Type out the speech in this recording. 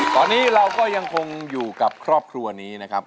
ตอนนี้เราก็ยังคงอยู่กับครอบครัวนี้นะครับ